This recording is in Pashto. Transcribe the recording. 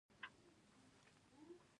دا ښارونه په خپله کچه توپیرونه لري.